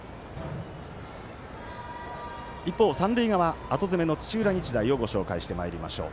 一方、三塁側後攻めの土浦日大をご紹介してまいりましょう。